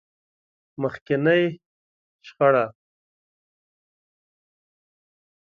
مخکينۍ شخړه.